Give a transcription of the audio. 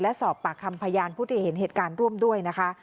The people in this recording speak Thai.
และสอบปากคำพยานผู้ที่เห็นเหตุการณ์ร่วมด้วยนะคะ